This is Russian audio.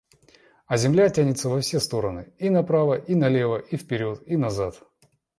А земля тянется во все стороны, и направо, и налево, и вперед и назад.